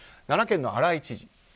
奈良県の荒井知事。